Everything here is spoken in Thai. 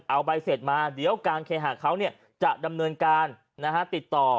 เอาใบเสร็จมาเดี๋ยวการเคหาเขาจะดำเนินการติดต่อ